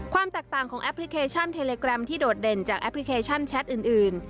ความแตกต่างของแอปพลิเคชันเทเลแกรมที่โดดเด่นจากแอปพลิเคชันแชทอื่น